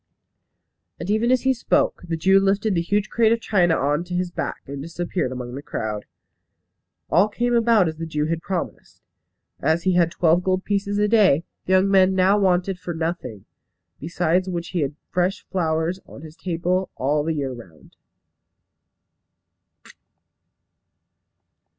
And even as he spoke the Jew lifted the huge crate of china on to his back, and disappeared among the crowd. All came about as the Jew had promised. As he had twelve gold pieces a day, the young man now wanted for nothing, besides which he had fresh flowers on his table all the year round.